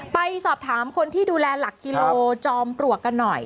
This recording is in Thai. ไปสอบถามคนที่ดูแลหลักกิโลจอมปลวกกันหน่อย